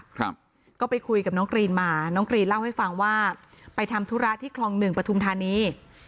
ครับก็ไปคุยกับน้องกรีนมาน้องกรีนเล่าให้ฟังว่าไปทำธุระที่คลองหนึ่งปฐุมธานี